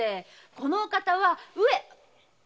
このお方はうえ。